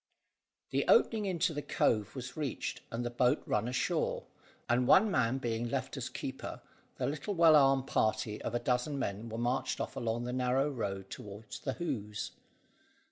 The opening into the cove was reached, and the boat run ashore, and one man being left as keeper, the little well armed party of a dozen men were marched off along the narrow road toward the Hoze.